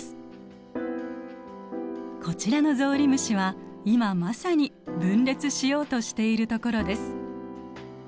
こちらのゾウリムシは今まさに分裂しようとしているところです。